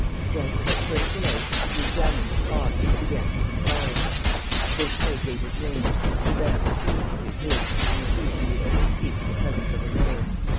Then, without further delay, he examined the spot and began his inquiry. Vaucheray gave his name; Gilbert refused to give his, on the plea that he would only speak in the presence of a lawyer.